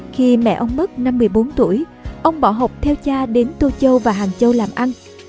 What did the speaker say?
khi mẹ ông mất năm một mươi bốn tuổi ông bỏ học theo cha đến tô châu và hàng châu làm ăn